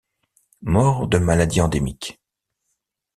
Mort de maladie endémique.